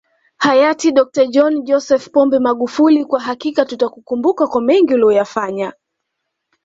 Hayati DkJohn Joseph Pombe Magufuli kwa hakika tutakukumbuka kwa mengi uliyoyafanya